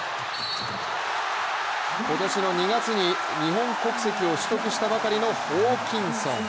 今年の２月に日本国籍を取得したばかりのホーキンソン。